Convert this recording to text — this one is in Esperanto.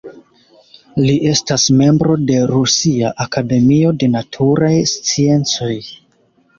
Li estas membro de Rusia Akademio de Naturaj Sciencoj.